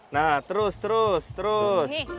nah terus terus terus